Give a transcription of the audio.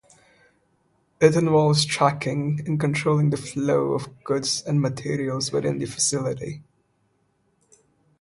It involves tracking and controlling the flow of goods and materials within the facility.